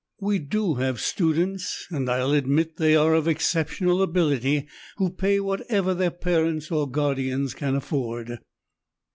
We do have students, and I'll admit that they are of exceptional ability, who pay whatever their parents or guardians can afford."